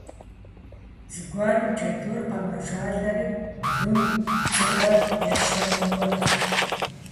Зэгуэрым джэдур къэмэжалӀэри, бгым дзыгъуэ ещэну кӀуащ.